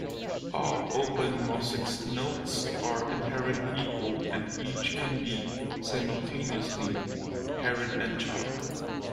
All openMosix nodes are inherently equal and each can be, simultaneously, parent and child.